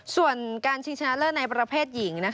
ส่วนการชิงชนะเลิศในประเภทหญิง